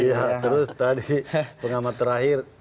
iya terus tadi pengamat terakhir